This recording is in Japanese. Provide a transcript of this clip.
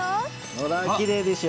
ほらきれいでしょ？